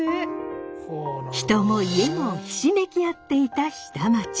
人も家もひしめき合っていた下町。